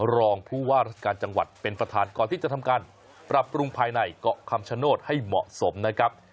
รองผู้ว่าราชการจังหวัดเป็นประธานก่อนที่จะทำการปรับปรุงภายในเกาะคำชโนธให้เหมาะสมนะครับ